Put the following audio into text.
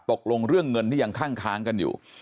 ตกลงเรื่องเงินที่ยังคั่งค้างกันอยู่